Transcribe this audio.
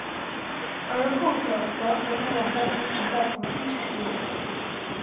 而后者则合并两个集团的房地产业务。